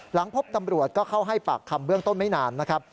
หลังพบตำรวจก็เข้าให้ปากคำเบื้องต้นไม่นานนะครับ